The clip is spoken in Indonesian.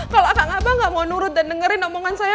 kalau kakak gak mau nurut dan dengerin omongan saya